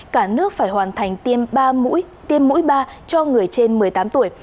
cả nước phải hoàn thành tiêm mũi ba cho người trên một mươi tám tuổi